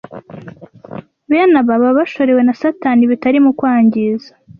Bene aba baba bashorewe na Satani bitari mu kwangiza